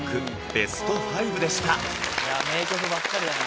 ベスト５でしたいや名曲ばっかりだな